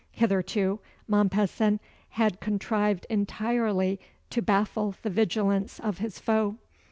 Hitherto, Mompesson had contrived entirely to baffle the vigilance of his foe.